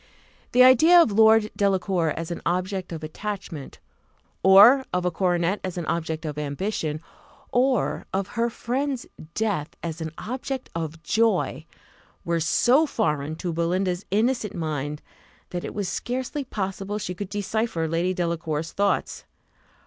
The idea of Lord Delacour as an object of attachment, or of a coronet as an object of ambition, or of her friend's death as an object of joy, were so foreign to Belinda's innocent mind, that it was scarcely possible she could decipher Lady Delacour's thoughts.